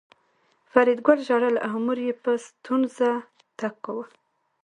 فریدګل ژړل او مور یې په ستونزه تګ کاوه